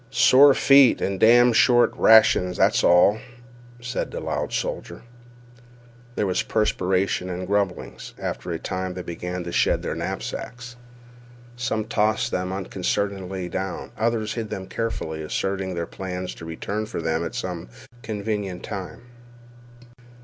"Sore feet an' damned short rations, that's all," said the loud soldier. There was perspiration and grumblings. After a time they began to shed their knapsacks. Some tossed them unconcernedly down; others hid them carefully, asserting their plans to return for them at some convenient time.